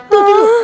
tuh tuh tuh